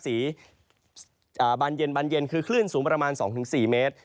สีบานเย็นบานเย็นคือคลื่นสูงประมาณ๒๔เมตร